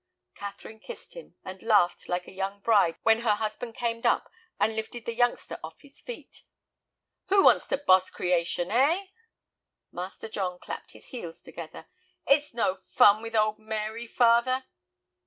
Catherine kissed him, and laughed like a young bride when her husband came up and lifted the youngster off his feet. "Who wants to boss creation, eh?" Master John clapped his heels together. "It's no fun with old Mary, father."